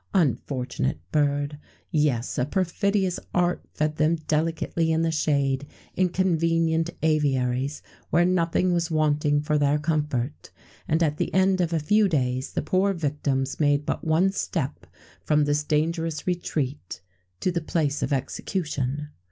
Unfortunate bird! Yes, a perfidious art fed them delicately in the shade, in convenient aviaries, where nothing was wanting for their comfort, and at the end of a few days the poor victims made but one step from this dangerous retreat to the place of execution.